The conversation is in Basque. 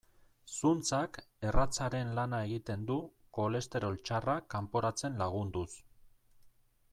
Zuntzak erratzaren lana egiten du, kolesterol txarra kanporatzen lagunduz.